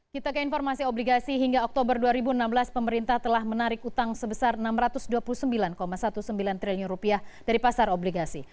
kita ke informasi obligasi hingga oktober dua ribu enam belas pemerintah telah menarik utang sebesar rp enam ratus dua puluh sembilan sembilan belas triliun dari pasar obligasi